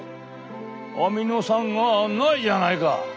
アミノ酸がないじゃないか！